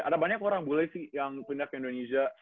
ada banyak orang boleh sih yang pindah ke indonesia